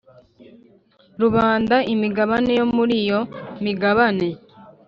rubanda imigabane yo muri iyo migabane